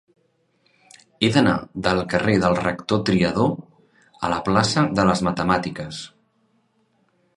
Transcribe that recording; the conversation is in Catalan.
He d'anar del carrer del Rector Triadó a la plaça de les Matemàtiques.